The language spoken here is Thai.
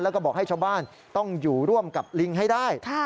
แล้วก็บอกให้ชาวบ้านต้องอยู่ร่วมกับลิงให้ได้